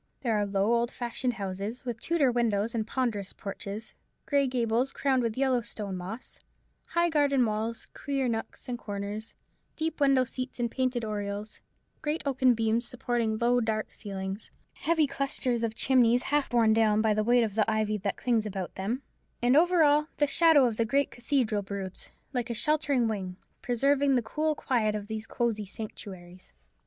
There are low old fashioned houses, with Tudor windows and ponderous porches, grey gables crowned with yellow stone moss, high garden walls, queer nooks and corners, deep window seats in painted oriels, great oaken beams supporting low dark ceilings, heavy clusters of chimneys half borne down by the weight of the ivy that clings about them; and over all, the shadow of the great cathedral broods, like a sheltering wing, preserving the cool quiet of these cosy sanctuaries.